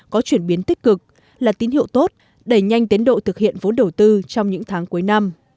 có chuyển biến tích cực là tín hiệu tốt đẩy nhanh tiến độ thực hiện vốn đầu tư trong những tháng cuối năm